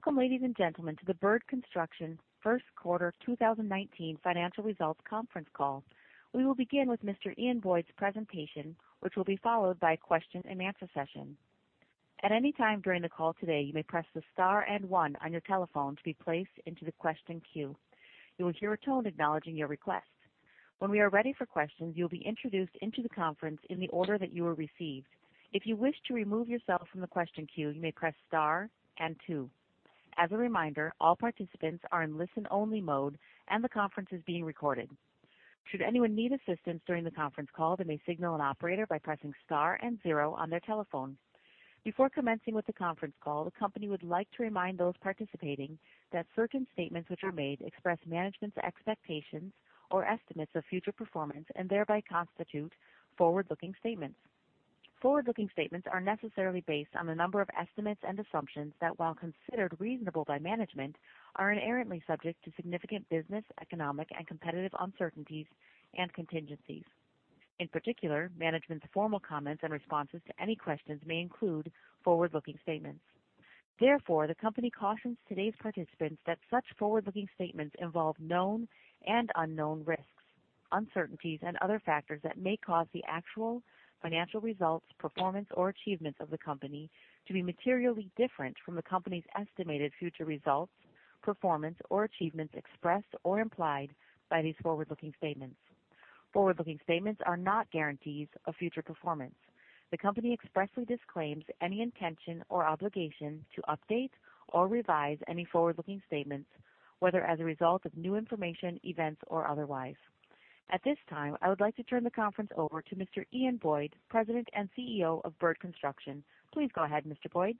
Welcome, ladies and gentlemen, to the Bird Construction First Quarter 2019 Financial Results Conference Call. We will begin with Mr. Ian Boyd's presentation, which will be followed by a question-and-answer session. At any time during the call today, you may press the star and one on your telephone to be placed into the question queue. You will hear a tone acknowledging your request. When we are ready for questions, you will be introduced into the conference in the order that you were received. If you wish to remove yourself from the question queue, you may press star and two. As a reminder, all participants are in listen-only mode and the conference is being recorded. Should anyone need assistance during the conference call, they may signal an operator by pressing star and zero on their telephone. Before commencing with the conference call, the company would like to remind those participating that certain statements which are made express management's expectations or estimates of future performance, thereby constitute forward-looking statements. Forward-looking statements are necessarily based on a number of estimates and assumptions that, while considered reasonable by management, are inherently subject to significant business, economic, and competitive uncertainties and contingencies. In particular, management's formal comments and responses to any questions may include forward-looking statements. Therefore, the company cautions today's participants that such forward-looking statements involve known and unknown risks, uncertainties, and other factors that may cause the actual financial results, performance, or achievements of the company to be materially different from the company's estimated future results, performance, or achievements expressed or implied by these forward-looking statements. Forward-looking statements are not guarantees of future performance. The company expressly disclaims any intention or obligation to update or revise any forward-looking statements, whether as a result of new information, events, or otherwise. At this time, I would like to turn the conference over to Mr. Ian Boyd, President and CEO of Bird Construction. Please go ahead, Mr. Boyd.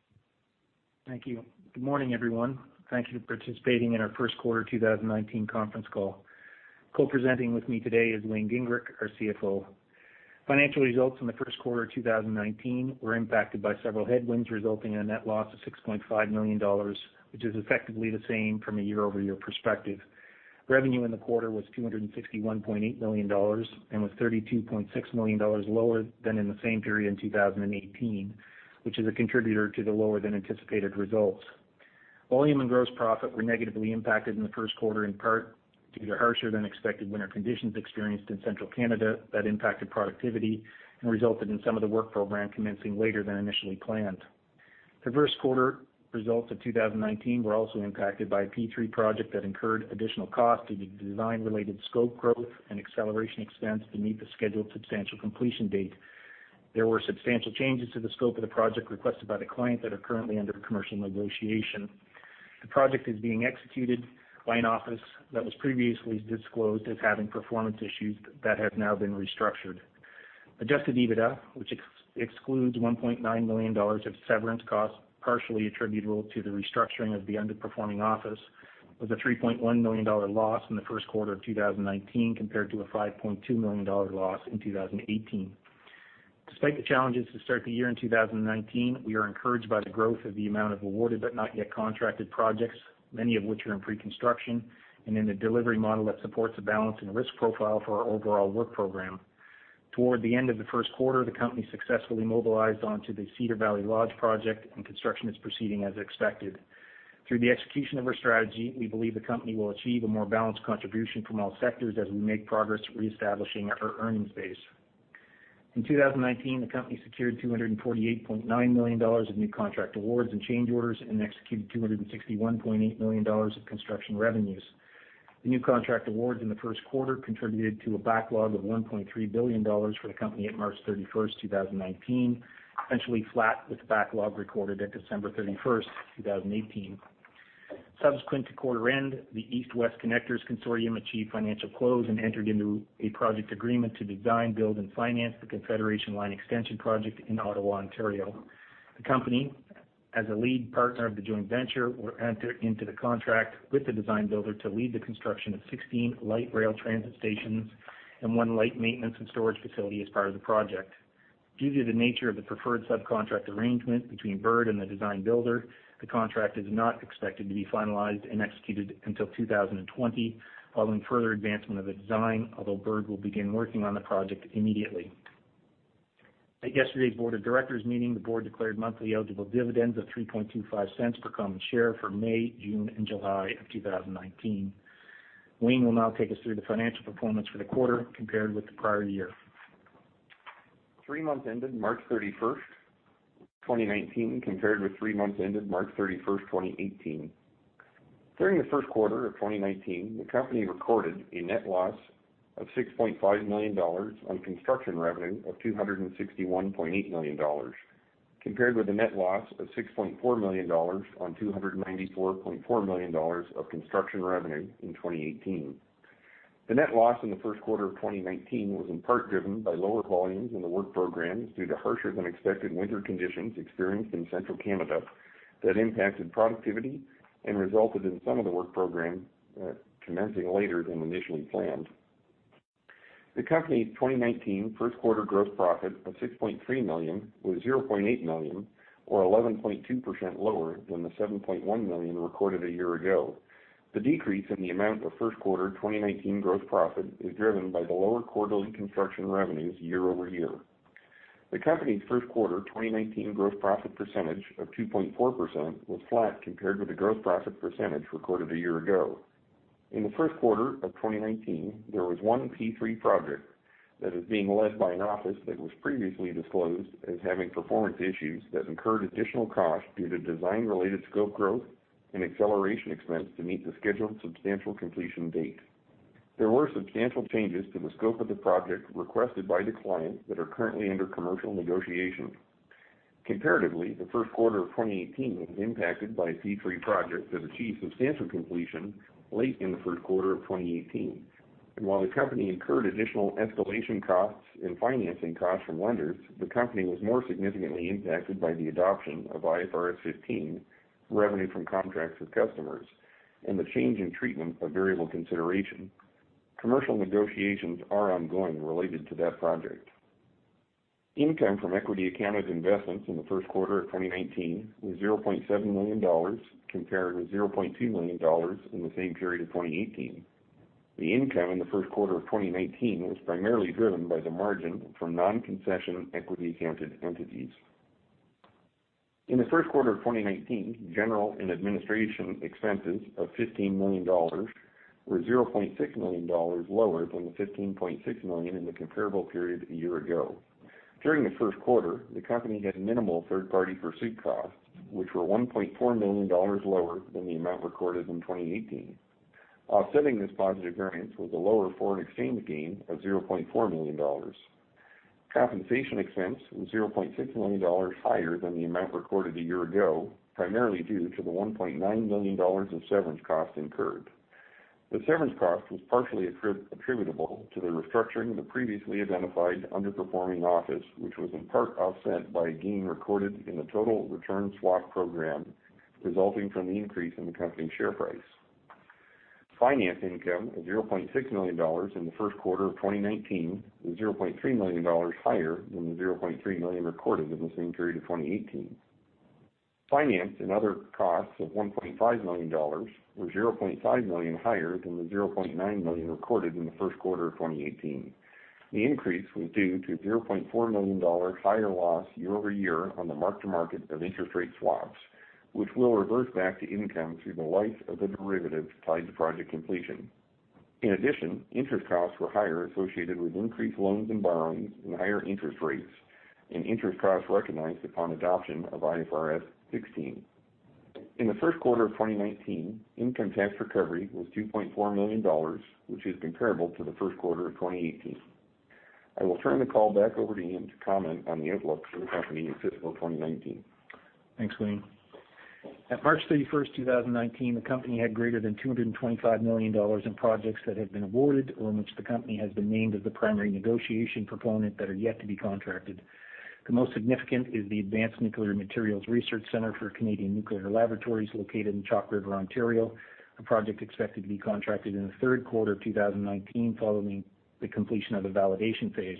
Thank you. Good morning, everyone. Thank you for participating in our first quarter 2019 conference call. Co-presenting with me today is Wayne Gingrich, our CFO. Financial results in the first quarter 2019 were impacted by several headwinds, resulting in a net loss of 6.5 million dollars, which is effectively the same from a year-over-year perspective. Revenue in the quarter was 261.8 million dollars and was 32.6 million dollars lower than in the same period in 2018, which is a contributor to the lower than anticipated results. Volume and gross profit were negatively impacted in the first quarter, in part due to harsher than expected winter conditions experienced in central Canada that impacted productivity and resulted in some of the work program commencing later than initially planned. The first quarter results of 2019 were also impacted by a P3 project that incurred additional cost due to design-related scope growth and acceleration expense to meet the scheduled substantial completion date. There were substantial changes to the scope of the project requested by the client that are currently under commercial negotiation. The project is being executed by an office that was previously disclosed as having performance issues that have now been restructured. Adjusted EBITDA, which excludes 1.9 million dollars of severance costs partially attributable to the restructuring of the underperforming office, was a 3.1 million dollar loss in the first quarter of 2019 compared to a 5.2 million dollar loss in 2018. Despite the challenges to start the year in 2019, we are encouraged by the growth of the amount of awarded but not yet contracted projects, many of which are in pre-construction and in a delivery model that supports a balance in the risk profile for our overall work program. Toward the end of the first quarter, the company successfully mobilized onto the Cedar Valley Lodge project and construction is proceeding as expected. Through the execution of our strategy, we believe the company will achieve a more balanced contribution from all sectors as we make progress reestablishing our earnings base. In 2019, the company secured 248.9 million dollars of new contract awards and change orders and executed 261.8 million dollars of construction revenues. The new contract awards in the first quarter contributed to a backlog of 1.3 billion dollars for the company at March 31st, 2019, essentially flat with the backlog recorded at December 31st, 2018. Subsequent to quarter end, the East-West Connectors consortium achieved financial close and entered into a project agreement to design, build, and finance the Confederation Line Extension project in Ottawa, Ontario. The company, as a lead partner of the joint venture, will enter into the contract with the design builder to lead the construction of 16 light rail transit stations and one light maintenance and storage facility as part of the project. Due to the nature of the preferred subcontract arrangement between Bird and the design builder, the contract is not expected to be finalized and executed until 2020, following further advancement of the design, although Bird will begin working on the project immediately. At yesterday's board of directors meeting, the board declared monthly eligible dividends of 0.0325 per common share for May, June, and July of 2019. Wayne will now take us through the financial performance for the quarter compared with the prior year. Three months ended March 31st, 2019, compared with three months ended March 31st, 2018. During the first quarter of 2019, the company recorded a net loss of 6.5 million dollars on construction revenue of 261.8 million dollars, compared with a net loss of 6.4 million dollars on 294.4 million dollars of construction revenue in 2018. The net loss in the first quarter of 2019 was in part driven by lower volumes in the work programs due to harsher than expected winter conditions experienced in central Canada that impacted productivity and resulted in some of the work program commencing later than initially planned. The company's 2019 first quarter gross profit of 6.3 million was 0.8 million, or 11.2% lower than the 7.1 million recorded a year ago. The decrease in the amount of first quarter 2019 gross profit is driven by the lower quarterly construction revenues year-over-year. The company's first quarter 2019 gross profit percentage of 2.4% was flat compared with the gross profit percentage recorded a year ago. In the first quarter of 2019, there was one P3 project that is being led by an office that was previously disclosed as having performance issues that incurred additional cost due to design-related scope growth and acceleration expense to meet the scheduled substantial completion date. There were substantial changes to the scope of the project requested by the client that are currently under commercial negotiation. Comparatively, the first quarter of 2018 was impacted by a P3 project that achieved substantial completion late in the first quarter of 2018. While the company incurred additional escalation costs and financing costs from lenders, the company was more significantly impacted by the adoption of IFRS 15, revenue from contracts with customers, and the change in treatment of variable consideration. Commercial negotiations are ongoing related to that project. Income from equity accounted investments in the first quarter of 2019 was 0.7 million dollars compared with 0.2 million dollars in the same period of 2018. The income in the first quarter of 2019 was primarily driven by the margin from non-concession equity accounted entities. In the first quarter of 2019, general and administration expenses of 15 million dollars were 0.6 million dollars lower than the 15.6 million in the comparable period a year ago. During the first quarter, the company had minimal third-party pursuit costs, which were 1.4 million dollars lower than the amount recorded in 2018. Offsetting this positive variance was a lower foreign exchange gain of 0.4 million dollars. Compensation expense was 0.6 million dollars higher than the amount recorded a year ago, primarily due to the 1.9 million dollars in severance costs incurred. The severance cost was partially attributable to the restructuring of the previously identified underperforming office, which was in part offset by a gain recorded in the total return swap program, resulting from the increase in the company's share price. Finance income of CAD 0.6 million in the first quarter of 2019 was CAD 0.3 million higher than the CAD 0.3 million recorded in the same period of 2018. Finance and other costs of CAD 1.5 million were CAD 0.5 million higher than the CAD 0.9 million recorded in the first quarter of 2018. The increase was due to CAD 0.4 million higher loss year-over-year on the mark to market of interest rate swaps, which will reverse back to income through the life of the derivative tied to project completion. In addition, interest costs were higher associated with increased loans and borrowings and higher interest rates and interest costs recognized upon adoption of IFRS 16. In the first quarter of 2019, income tax recovery was 2.4 million dollars, which is comparable to the first quarter of 2018. I will turn the call back over to Ian to comment on the outlook for the company in fiscal 2019. Thanks, Wayne. At March 31st, 2019, the company had greater than 225 million dollars in projects that have been awarded or in which the company has been named as the primary negotiation proponent that are yet to be contracted. The most significant is the Advanced Nuclear Materials Research Centre for Canadian Nuclear Laboratories located in Chalk River, Ontario, a project expected to be contracted in the third quarter of 2019 following the completion of the validation phase.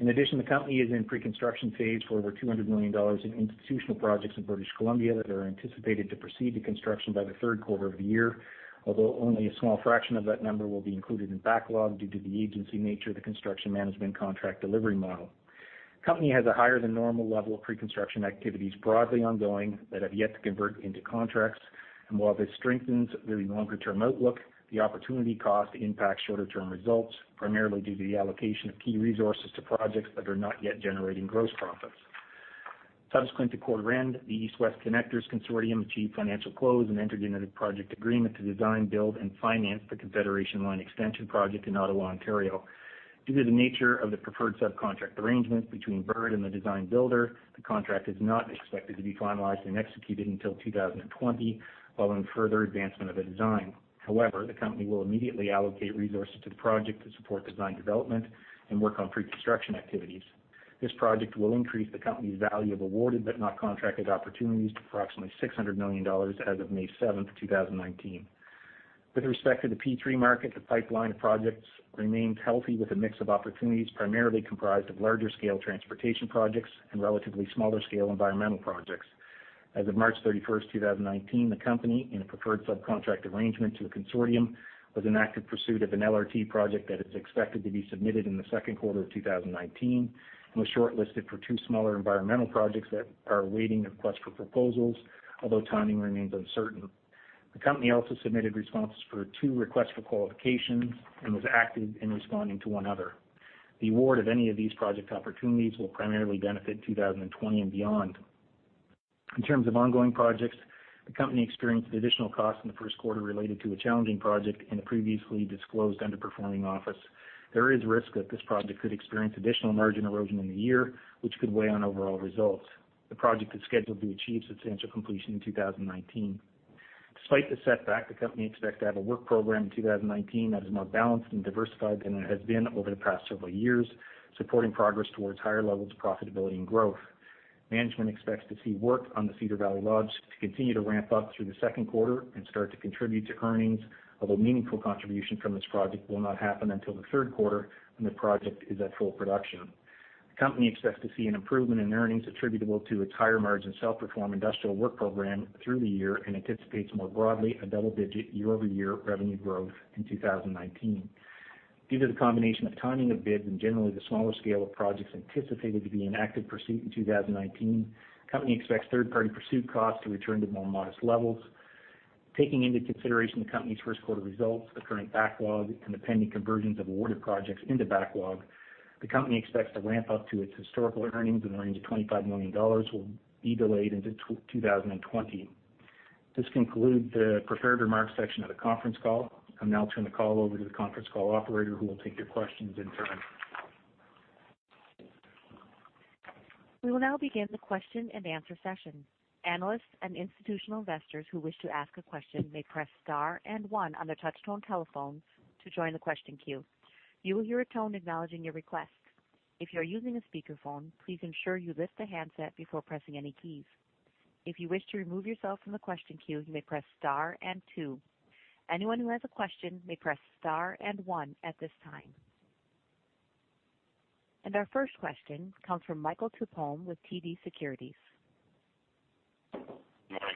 In addition, the company is in pre-construction phase for over 200 million dollars in institutional projects in British Columbia that are anticipated to proceed to construction by the third quarter of the year, although only a small fraction of that number will be included in backlog due to the agency nature of the construction management contract delivery model. Company has a higher than normal level of pre-construction activities broadly ongoing that have yet to convert into contracts. While this strengthens the longer-term outlook, the opportunity cost impacts shorter-term results, primarily due to the allocation of key resources to projects that are not yet generating gross profits. Subsequent to quarter end, the East-West Connectors consortium achieved financial close and entered into the project agreement to design, build, and finance the Confederation Line extension project in Ottawa, Ontario. Due to the nature of the preferred subcontract arrangements between Bird and the design builder, the contract is not expected to be finalized and executed until 2020 following further advancement of the design. However, the company will immediately allocate resources to the project to support design development and work on pre-construction activities. This project will increase the company's value of awarded but not contracted opportunities to approximately 600 million dollars as of May 7th, 2019. With respect to the P3 market, the pipeline of projects remains healthy with a mix of opportunities primarily comprised of larger scale transportation projects and relatively smaller scale environmental projects. As of March 31st, 2019, the company, in a preferred subcontract arrangement to a consortium, was in active pursuit of an LRT project that is expected to be submitted in the second quarter of 2019 and was shortlisted for two smaller environmental projects that are awaiting a request for proposals, although timing remains uncertain. The company also submitted responses for two requests for qualifications and was active in responding to one other. The award of any of these project opportunities will primarily benefit 2020 and beyond. In terms of ongoing projects, the company experienced additional costs in the first quarter related to a challenging project in a previously disclosed underperforming office. There is risk that this project could experience additional margin erosion in the year, which could weigh on overall results. The project is scheduled to achieve substantial completion in 2019. Despite the setback, the company expects to have a work program in 2019 that is more balanced and diversified than it has been over the past several years, supporting progress towards higher levels of profitability and growth. Management expects to see work on the Cedar Valley Lodge to continue to ramp up through the second quarter and start to contribute to earnings, although meaningful contribution from this project will not happen until the third quarter when the project is at full production. The company expects to see an improvement in earnings attributable to its higher margin self-perform industrial work program through the year and anticipates more broadly a double-digit year-over-year revenue growth in 2019. Due to the combination of timing of bids and generally the smaller scale of projects anticipated to be in active pursuit in 2019, the company expects third-party pursuit costs to return to more modest levels. Taking into consideration the company's first quarter results, the current backlog, and the pending conversions of awarded projects into backlog, the company expects to ramp up to its historical earnings in the range of 25 million dollars will be delayed into 2020. This concludes the prepared remarks section of the conference call. I'll now turn the call over to the conference call operator who will take your questions in turn. We will now begin the question and answer session. Analysts and institutional investors who wish to ask a question may press star and one on their touch-tone telephones to join the question queue. You will hear a tone acknowledging your request. If you are using a speakerphone, please ensure you lift the handset before pressing any keys. If you wish to remove yourself from the question queue, you may press star and two. Anyone who has a question may press star and one at this time. Our first question comes from Michael Tupholme with TD Securities. Good morning.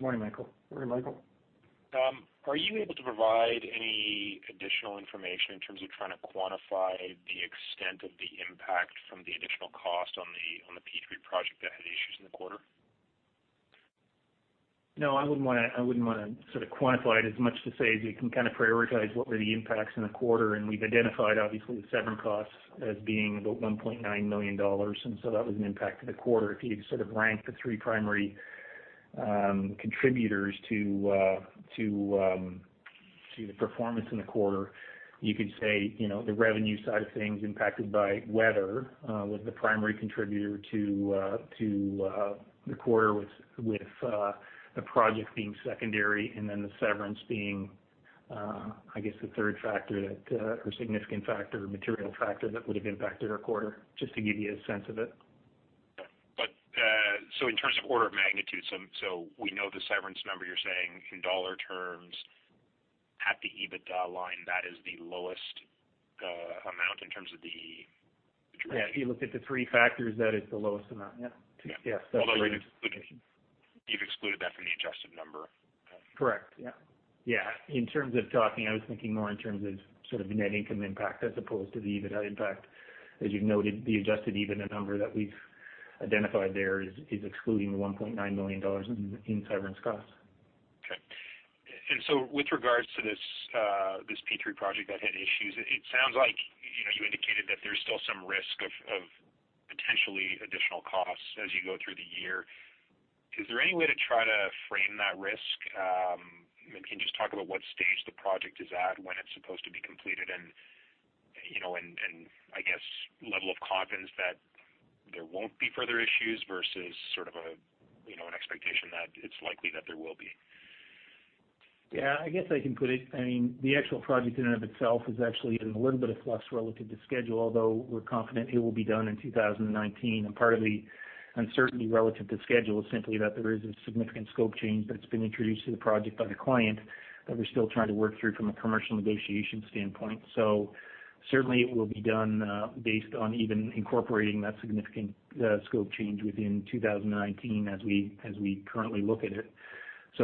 Morning, Michael. Morning, Michael. Are you able to provide any additional information in terms of trying to quantify the extent of the impact from the additional cost on the P3 project that had issues in the quarter? No, I wouldn't want to quantify it as much to say as you can prioritize what were the impacts in the quarter. We've identified obviously the severance costs as being about 1.9 million dollars. That was an impact to the quarter. If you rank the three primary contributors to the performance in the quarter, you could say, the revenue side of things impacted by weather was the primary contributor to the quarter, with the project being secondary. The severance being, I guess, the third factor or significant factor or material factor that would've impacted our quarter. Just to give you a sense of it. In terms of order of magnitude, we know the severance number you're saying in dollar terms at the EBITDA line, that is the lowest amount in terms of the contribution. Yeah, if you look at the three factors, that is the lowest amount. Yeah. Yeah. Yeah. Although you've excluded that from the adjusted number. Correct. Yeah. In terms of talking, I was thinking more in terms of net income impact as opposed to the EBITDA impact. As you've noted, the adjusted EBITDA number that we've identified there is excluding the 1.9 million dollars in severance costs. Okay. With regards to this P3 project that had issues, it sounds like you indicated that there's still some risk of potentially additional costs as you go through the year. Is there any way to try to frame that risk? Can you just talk about what stage the project is at, when it's supposed to be completed and I guess level of confidence that there won't be further issues versus an expectation that it's likely that there will be? The actual project in and of itself is actually in a little bit of flux relative to schedule, although we're confident it will be done in 2019. Part of the uncertainty relative to schedule is simply that there is a significant scope change that's been introduced to the project by the client that we're still trying to work through from a commercial negotiation standpoint. Certainly it will be done, based on even incorporating that significant scope change within 2019 as we currently look at it.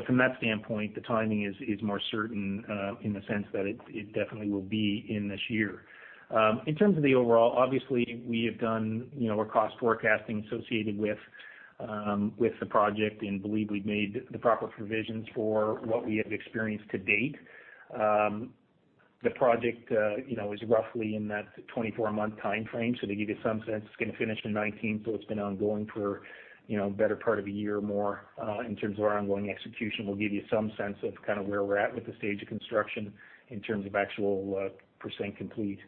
From that standpoint, the timing is more certain, in the sense that it definitely will be in this year. In terms of the overall, obviously we have done our cost forecasting associated with the project and believe we've made the proper provisions for what we have experienced to date. The project is roughly in that 24-month timeframe. To give you some sense, it's going to finish in 2019, so it's been ongoing for a better part of a year or more. In terms of our ongoing execution, we'll give you some sense of where we're at with the stage of construction in terms of actual % complete.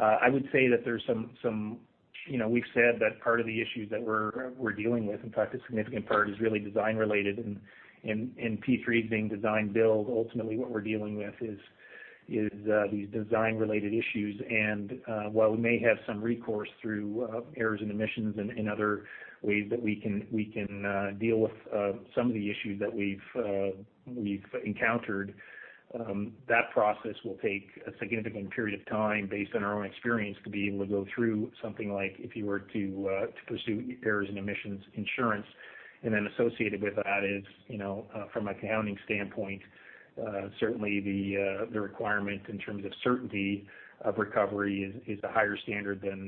I would say that we've said that part of the issues that we're dealing with, in fact, a significant part is really design related and P3 is being design build. Ultimately what we're dealing with is these design related issues. While we may have some recourse through errors and omissions and other ways that we can deal with some of the issues that we’ve encountered, that process will take a significant period of time based on our own experience, to be able to go through something like if you were to pursue errors and omissions insurance. Associated with that is, from an accounting standpoint, certainly the requirement in terms of certainty of recovery is a higher standard than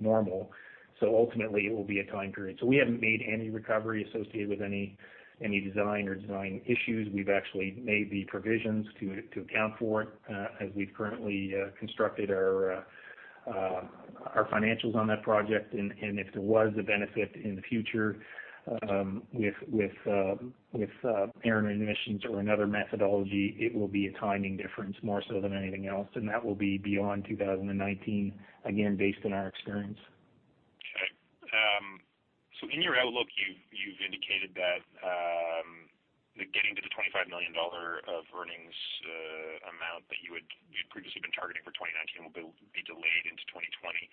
normal. Ultimately it will be a time period. We haven’t made any recovery associated with any design or design issues. We’ve actually made the provisions to account for it, as we’ve currently constructed our financials on that project. If there was a benefit in the future, with errors and omissions or another methodology, it will be a timing difference more so than anything else. That will be beyond 2019, again, based on our experience. In your outlook, you’ve indicated that getting to the 25 million dollar of earnings amount that you had previously been targeting for 2019 will be delayed into 2020.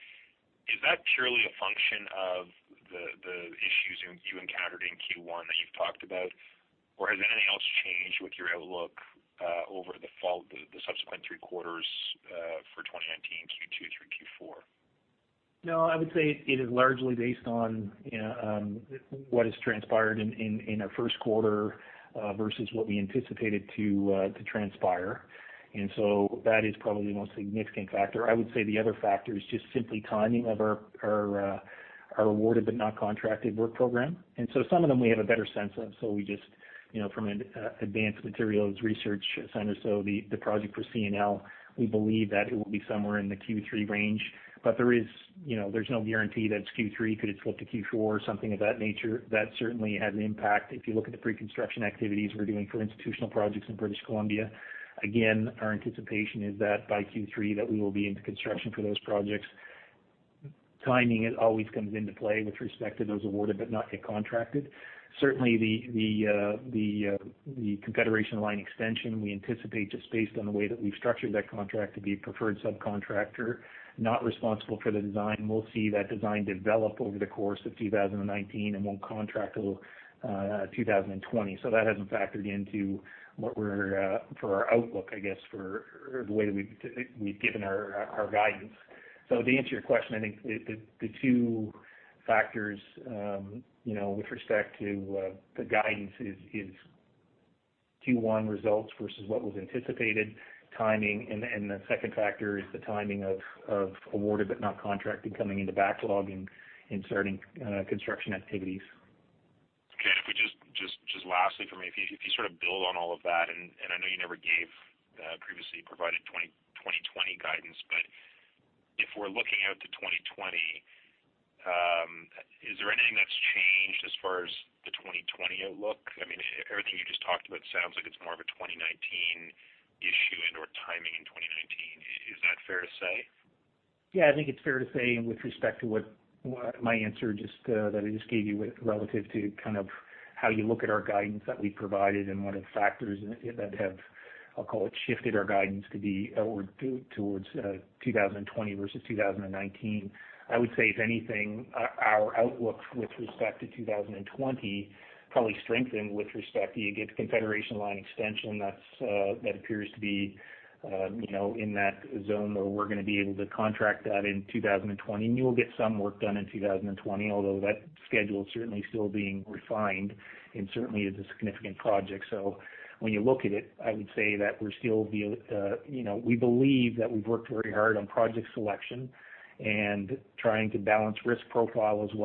Is that purely a function of the issues you encountered in Q1 that you’ve talked about, or has anything else changed with your outlook over the subsequent three quarters for 2019, Q2 through Q4? I would say it is largely based on what has transpired in our first quarter versus what we anticipated to transpire. That is probably the most significant factor. I would say the other factor is just simply timing of our awarded but not contracted work program. Some of them we have a better sense of, so from an Advanced Nuclear Materials Research Centre, the project for CNL, we believe that it will be somewhere in the Q3 range. There’s no guarantee that it’s Q3. Could it slip to Q4 or something of that nature? That certainly has an impact. If you look at the pre-construction activities we’re doing for institutional projects in British Columbia, again, our anticipation is that by Q3, that we will be into construction for those projects. Timing, it always comes into play with respect to those awarded but not yet contracted. The Confederation Line extension, we anticipate, just based on the way that we've structured that contract to be preferred subcontractor, not responsible for the design. We'll see that design develop over the course of 2019 and won't contract till 2020. That hasn't factored into our outlook, I guess, for the way that we've given our guidance. To answer your question, I think the two factors, with respect to the guidance is Q1 results versus what was anticipated timing. The second factor is the timing of awarded but not contracted coming into backlog and starting construction activities. Okay. If we just, lastly for me, if you sort of build on all of that, I know you never previously provided 2020 guidance. If we're looking out to 2020, is there anything that's changed as far as the 2020 outlook? Everything you just talked about sounds like it's more of a 2019 issue and/or timing in 2019. Is that fair to say? I think it's fair to say with respect to what my answer that I just gave you relative to how you look at our guidance that we provided and what are the factors that have, I'll call it, shifted our guidance to be towards 2020 versus 2019. I would say, if anything, our outlook with respect to 2020 probably strengthened with respect to the Confederation Line extension that appears to be in that zone where we're going to be able to contract that in 2020. You'll get some work done in 2020, although that schedule is certainly still being refined and certainly is a significant project. When you look at it, I would say that we believe that we've worked very hard on project selection and trying to balance risk profile as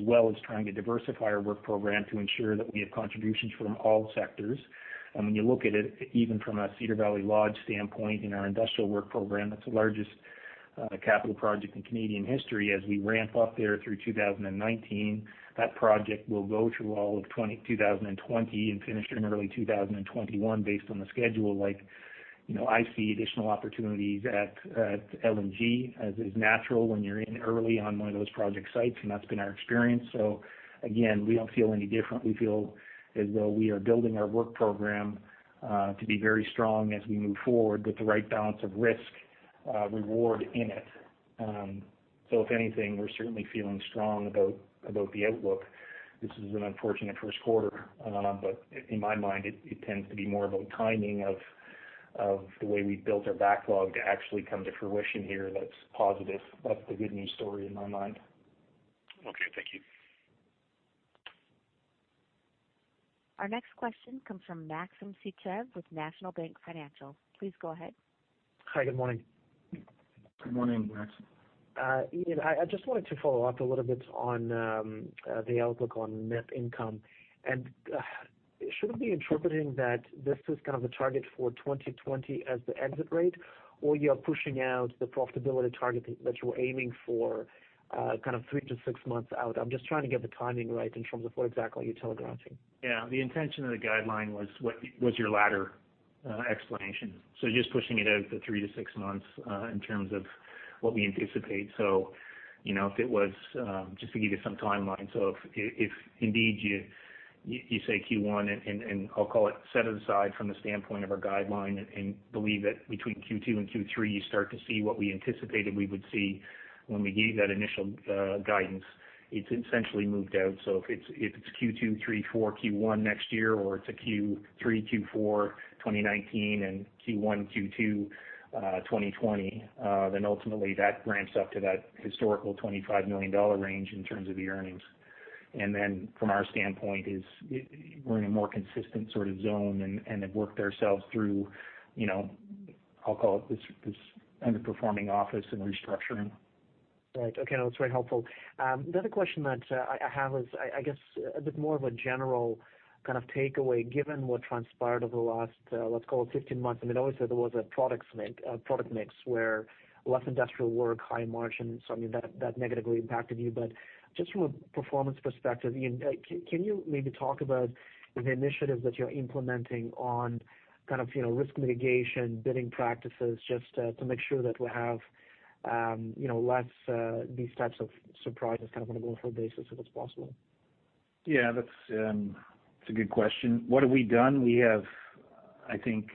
well as trying to diversify our work program to ensure that we have contributions from all sectors. When you look at it, even from a Cedar Valley Lodge standpoint in our industrial work program, that's the largest capital project in Canadian history. As we ramp up there through 2019, that project will go through all of 2020 and finish in early 2021 based on the schedule. I see additional opportunities at LNG, as is natural when you're in early on one of those project sites, and that's been our experience. Again, we don't feel any different. We feel as though we are building our work program to be very strong as we move forward with the right balance of risk reward in it. If anything, we're certainly feeling strong about the outlook. This is an unfortunate first quarter. In my mind, it tends to be more about timing of the way we've built our backlog to actually come to fruition here that's positive. That's the good news story in my mind. Okay. Thank you. Our next question comes from Maxim Sytchev with National Bank Financial. Please go ahead. Hi. Good morning. Good morning, Maxim. Ian, I just wanted to follow up a little bit on the outlook on net income. Should we be interpreting that this is kind of a target for 2020 as the exit rate? Or you are pushing out the profitability target that you're aiming for three to six months out? I'm just trying to get the timing right in terms of what exactly you're telegraphing. Yeah. The intention of the guideline was your latter explanation. Just pushing it out to three to six months, in terms of what we anticipate. Just to give you some timeline. If indeed you say Q1, and I'll call it set it aside from the standpoint of our guideline and believe that between Q2 and Q3, you start to see what we anticipated we would see when we gave that initial guidance. It's essentially moved out. If it's Q2, Q3, Q4, Q1 next year, or it's a Q3, Q4 2019 and Q1, Q2 2020, then ultimately that ramps up to that historical 25 million dollar range in terms of the earnings. From our standpoint is we're in a more consistent sort of zone and have worked ourselves through, I'll call it this underperforming office and restructuring. Right. Okay. That's very helpful. The other question that I have is, I guess a bit more of a general kind of takeaway given what transpired over the last, let's call it 15 months. You always said there was a product mix where less industrial work, high margin. I mean, that negatively impacted you. Just from a performance perspective, Ian, can you maybe talk about the initiatives that you're implementing on risk mitigation, bidding practices, just to make sure that we have less these types of surprises on a go-forward basis, if it's possible? Yeah. That's a good question. What have we done? We have, I think,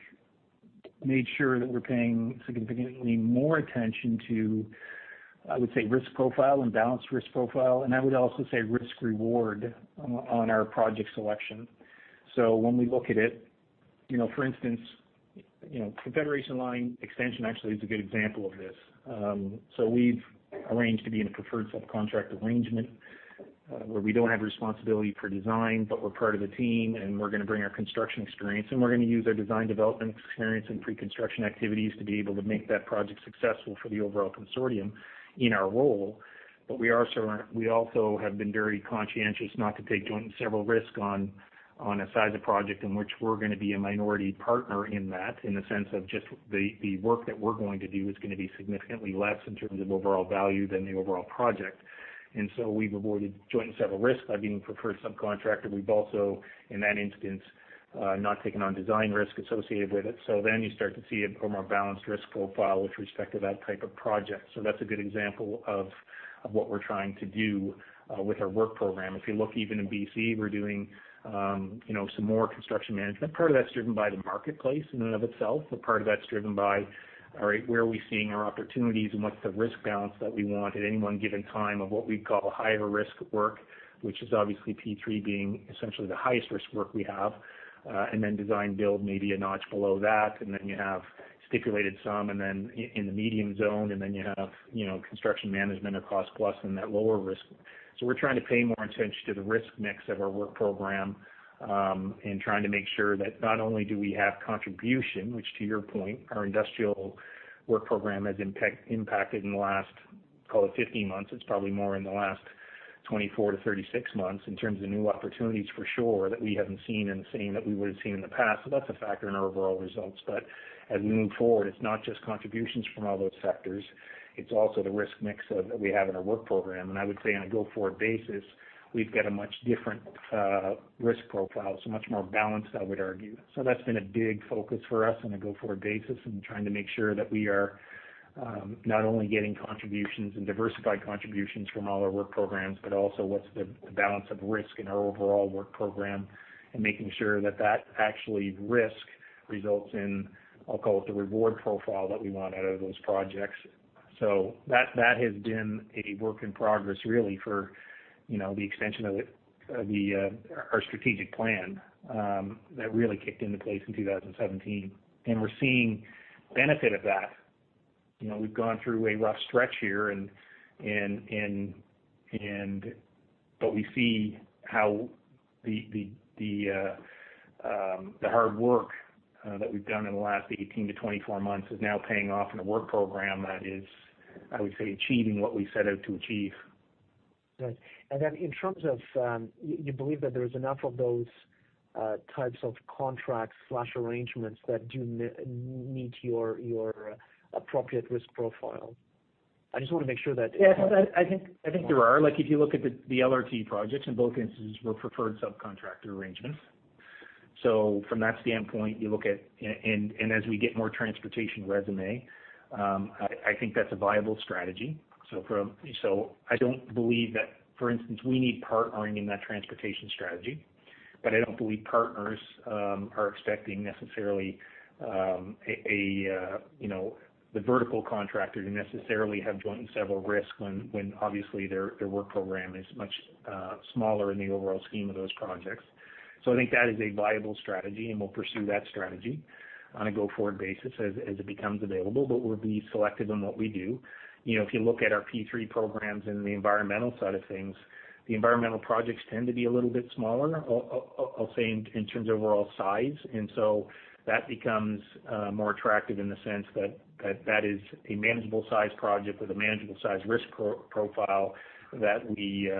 made sure that we're paying significantly more attention to, I would say, risk profile and balanced risk profile. I would also say risk reward on our project selection. When we look at it. For instance, Confederation Line extension actually is a good example of this. We've arranged to be in a preferred subcontract arrangement, where we don't have responsibility for design, but we're part of a team, and we're going to bring our construction experience, and we're going to use our design development experience and pre-construction activities to be able to make that project successful for the overall consortium in our role. We also have been very conscientious not to take joint several risk on a size of project in which we're going to be a minority partner in that, in the sense of just the work that we're going to do is going to be significantly less in terms of overall value than the overall project. We've avoided joint several risks by being preferred subcontractor. We've also, in that instance, not taken on design risk associated with it. You start to see a more balanced risk profile with respect to that type of project. That's a good example of what we're trying to do with our work program. If you look even in B.C., we're doing some more construction management. Part of that's driven by the marketplace in and of itself, but part of that's driven by, all right, where are we seeing our opportunities and what's the risk balance that we want at any one given time of what we'd call higher risk work, which is obviously P3 being essentially the highest risk work we have, and then design build maybe a notch below that, and then you have stipulated some and then in the medium zone, and then you have construction management or cost plus in that lower risk. We're trying to pay more attention to the risk mix of our work program, and trying to make sure that not only do we have contribution, which to your point, our industrial work program has impacted in the last, call it 15 months. It's probably more in the last 24 to 36 months in terms of new opportunities, for sure, that we haven't seen and seen that we would've seen in the past. That's a factor in our overall results. As we move forward, it's not just contributions from all those sectors, it's also the risk mix that we have in our work program. I would say on a go-forward basis, we've got a much different risk profile, so much more balanced, I would argue. That's been a big focus for us on a go-forward basis and trying to make sure that we are not only getting contributions and diversified contributions from all our work programs, but also what's the balance of risk in our overall work program and making sure that actually risk results in, I'll call it the reward profile that we want out of those projects. That has been a work in progress really for the extension of our strategic plan that really kicked into place in 2017. We're seeing benefit of that. We've gone through a rough stretch here, we see how the hard work that we've done in the last 18 to 24 months is now paying off in a work program that is, I would say, achieving what we set out to achieve. In terms of, you believe that there's enough of those types of contracts/arrangements that do meet your appropriate risk profile? I just want to make sure that- Yes. I think there are. If you look at the LRT projects, in both instances were preferred subcontractor arrangements. From that standpoint, as we get more transportation resume, I think that's a viable strategy. I don't believe that, for instance, we need partnering in that transportation strategy, I don't believe partners are expecting necessarily the vertical contractor to necessarily have joint several risk when obviously their work program is much smaller in the overall scheme of those projects. I think that is a viable strategy. We'll pursue that strategy on a go-forward basis as it becomes available. We'll be selective in what we do. If you look at our P3 programs in the environmental side of things, the environmental projects tend to be a little bit smaller, I'll say, in terms of overall size. That becomes more attractive in the sense that that is a manageable size project with a manageable size risk profile that we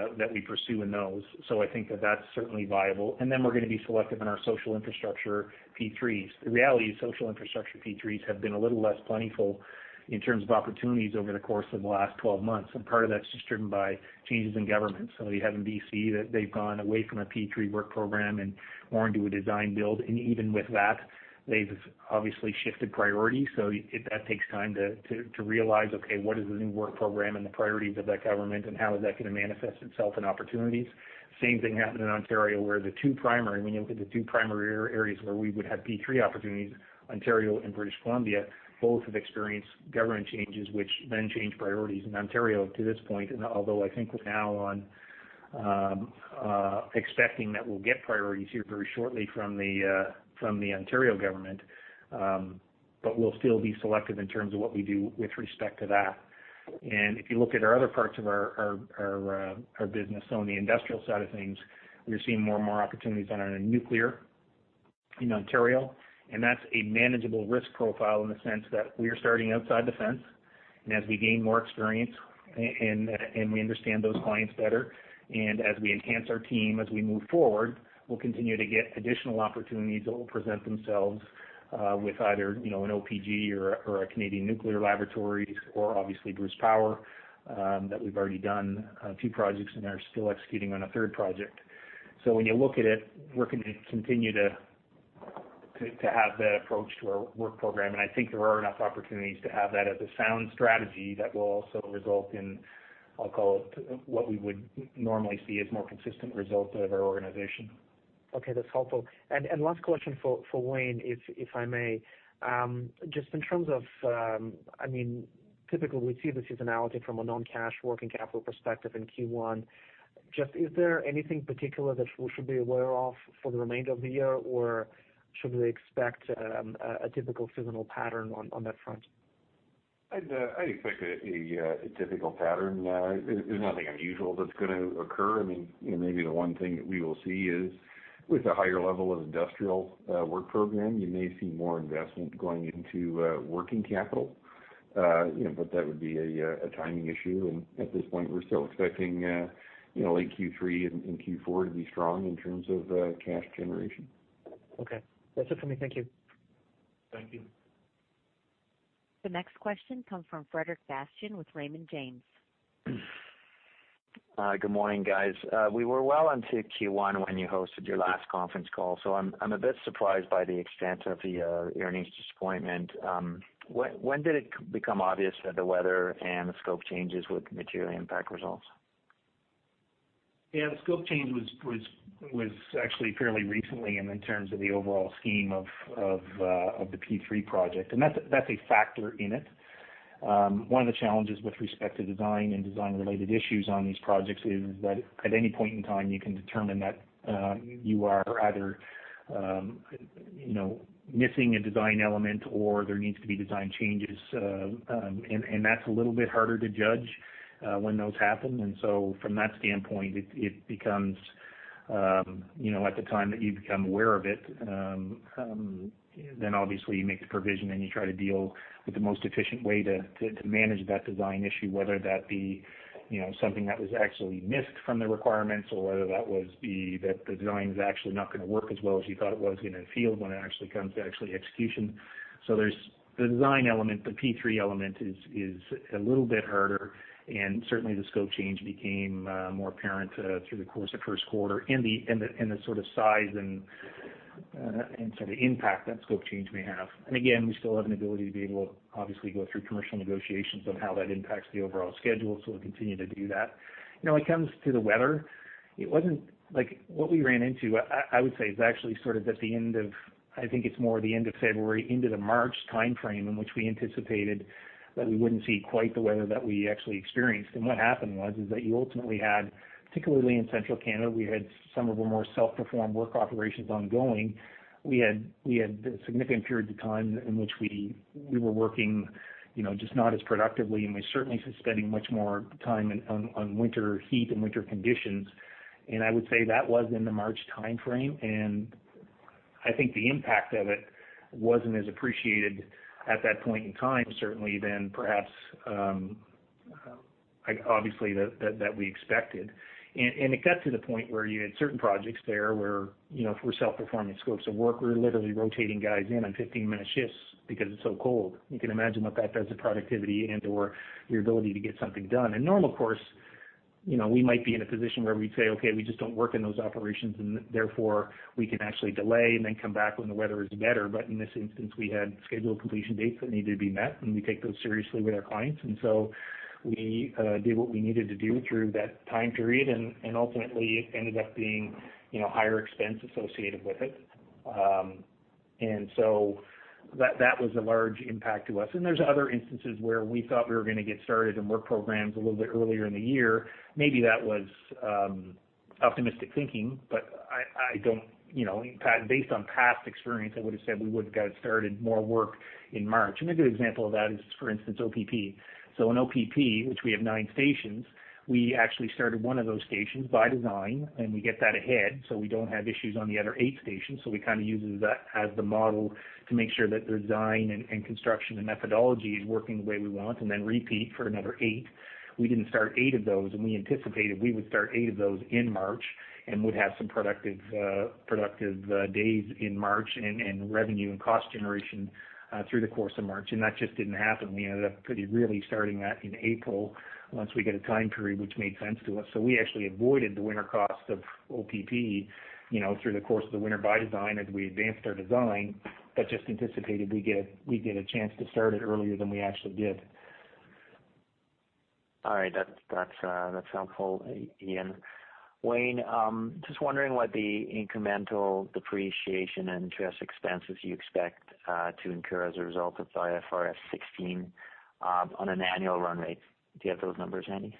pursue in those. I think that that's certainly viable. We're going to be selective in our social infrastructure P3s. The reality is social infrastructure P3s have been a little less plentiful in terms of opportunities over the course of the last 12 months, part of that's just driven by changes in government. You have in B.C. that they've gone away from a P3 work program and more into a design build, even with that, they've obviously shifted priorities. That takes time to realize, okay, what is the new work program and the priorities of that government and how is that going to manifest itself in opportunities? Same thing happened in Ontario, where the two primary, when you look at the two primary areas where we would have P3 opportunities, Ontario and British Columbia, both have experienced government changes, which then change priorities in Ontario to this point. Although I think we're now on expecting that we'll get priorities here very shortly from the Ontario government, we'll still be selective in terms of what we do with respect to that. If you look at our other parts of our business on the industrial side of things, we're seeing more and more opportunities on our nuclear in Ontario, and that's a manageable risk profile in the sense that we are starting outside the fence. As we gain more experience and we understand those clients better, and as we enhance our team as we move forward, we'll continue to get additional opportunities that will present themselves, with either, an OPG or a Canadian Nuclear Laboratories or obviously Bruce Power, that we've already done a few projects and are still executing on a third project. When you look at it, we're going to continue to have that approach to our work program, and I think there are enough opportunities to have that as a sound strategy that will also result in, I'll call it, what we would normally see as more consistent results out of our organization. Okay. That's helpful. Last question for Wayne, if I may. In terms of, typically we see the seasonality from a non-cash working capital perspective in Q1. Is there anything particular that we should be aware of for the remainder of the year, or should we expect a typical seasonal pattern on that front? I'd expect a typical pattern. There's nothing unusual that's going to occur. Maybe the one thing that we will see is with a higher level of industrial work program, you may see more investment going into working capital. That would be a timing issue, and at this point, we're still expecting late Q3 and Q4 to be strong in terms of cash generation. Okay. That's it for me. Thank you. Thank you. The next question comes from Frederic Bastien with Raymond James. Good morning, guys. We were well into Q1 when you hosted your last conference call. I'm a bit surprised by the extent of the earnings disappointment. When did it become obvious that the weather and the scope changes would materially impact results? Yeah, the scope change was actually fairly recently in terms of the overall scheme of the P3 project. That's a factor in it. One of the challenges with respect to design and design-related issues on these projects is that at any point in time, you can determine that you are either missing a design element or there needs to be design changes. That's a little bit harder to judge when those happen. From that standpoint, at the time that you become aware of it, then obviously you make the provision and you try to deal with the most efficient way to manage that design issue, whether that be something that was actually missed from the requirements or whether that was the design is actually not going to work as well as you thought it was going to in field when it actually comes to actually execution. There's the design element. The P3 element is a little bit harder, certainly the scope change became more apparent through the course of first quarter in the sort of size and sort of impact that scope change may have. Again, we still have an ability to be able to obviously go through commercial negotiations on how that impacts the overall schedule. We'll continue to do that. When it comes to the weather, what we ran into, I would say, is actually sort of at the end of, I think it's more the end of February into the March timeframe, in which we anticipated that we wouldn't see quite the weather that we actually experienced. What happened was is that you ultimately had, particularly in central Canada, we had some of our more self-performed work operations ongoing. We had significant periods of time in which we were working just not as productively, we certainly spending much more time on winter heat and winter conditions. I would say that was in the March timeframe, and I think the impact of it wasn't as appreciated at that point in time, certainly than perhaps, obviously that we expected. It got to the point where you had certain projects there where for self-performing scopes of work, we were literally rotating guys in on 15-minute shifts because it's so cold. You can imagine what that does to productivity and/or your ability to get something done. In normal course, we might be in a position where we'd say, "Okay, we just don't work in those operations, and therefore we can actually delay and then come back when the weather is better." In this instance, we had scheduled completion dates that needed to be met, and we take those seriously with our clients. We did what we needed to do through that time period, and ultimately it ended up being higher expense associated with it. That was a large impact to us. There's other instances where we thought we were going to get started in work programs a little bit earlier in the year. Maybe that was optimistic thinking, but based on past experience, I would've said we would've got started more work in March. A good example of that is, for instance, OPP. In OPP, which we have nine stations, we actually started one of those stations by design, and we get that ahead, so we don't have issues on the other eight stations. We kind of use that as the model to make sure that the design and construction and methodology is working the way we want, and then repeat for another eight. We didn't start eight of those, and we anticipated we would start eight of those in March and would have some productive days in March and revenue and cost generation through the course of March. That just didn't happen. We ended up pretty really starting that in April once we get a time period which made sense to us. We actually avoided the winter cost of OPP through the course of the winter by design as we advanced our design, but just anticipated we'd get a chance to start it earlier than we actually did. All right. That's helpful, Ian. Wayne, just wondering what the incremental depreciation and interest expenses you expect to incur as a result of IFRS 16 on an annual run rate. Do you have those numbers handy?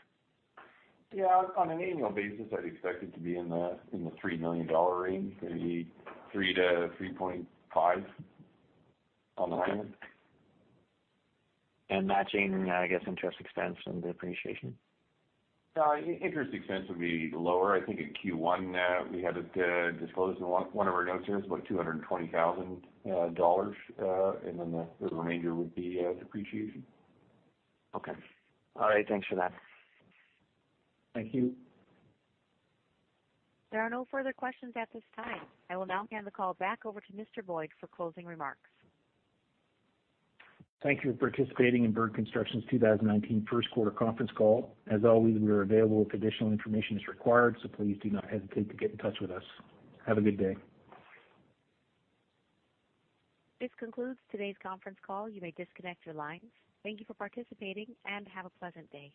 Yeah. On an annual basis, I'd expect it to be in the 3 million dollar range, maybe 3 million-3.5 million on the high end. Matching, I guess, interest expense and depreciation? Interest expense would be lower. I think in Q1, we had it disclosed in one of our notes there, it was about 220,000 dollars, and then the remainder would be depreciation. Okay. All right. Thanks for that. Thank you. There are no further questions at this time. I will now hand the call back over to Mr. Boyd for closing remarks. Thank you for participating in Bird Construction's 2019 first quarter conference call. As always, we are available if additional information is required, so please do not hesitate to get in touch with us. Have a good day. This concludes today's conference call. You may disconnect your lines. Thank you for participating, and have a pleasant day.